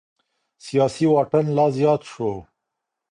سياسي واټن لا زيات شو.